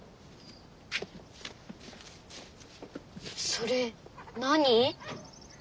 それ何？